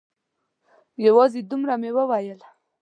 یوازې دومره مې وویل.